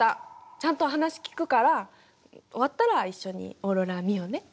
ちゃんと話聞くから終わったら一緒にオーロラ見ようね。